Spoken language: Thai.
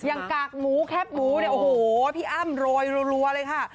ยังกากหมูแคบหมูพี่อ้ำโรยรัวเลยค่ะ